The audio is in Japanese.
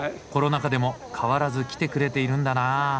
コロナ禍でも変わらず来てくれているんだなあ。